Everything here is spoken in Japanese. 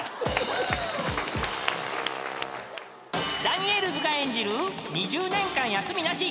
［ダニエルズが演じる２０年間休みなし］